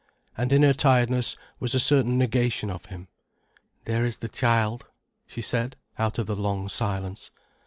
And in her tiredness was a certain negation of him. "There is the child," she said, out of the long silence.